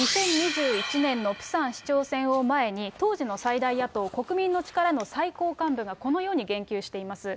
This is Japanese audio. ２０２１年のプサン市長選を前に、当時の最大野党・国民の力の最高幹部がこのように言及しています。